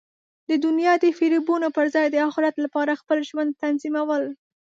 د دنیا د فریبونو پر ځای د اخرت لپاره خپل ژوند تنظیمول.